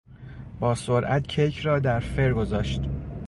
با سرعت کیک را در فر گذاشت.